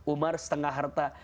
umar setengah harta